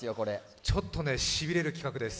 ちょっとシビれる企画です。